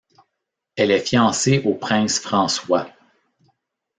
Elle est fiancée au Prince François.